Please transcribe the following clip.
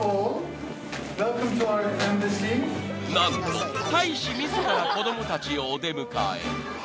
［何と大使自ら子供たちをお出迎え］